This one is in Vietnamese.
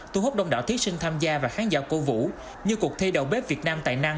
thu hút đông đảo thí sinh tham gia và khán giả cố vũ như cuộc thi đầu bếp việt nam tài năng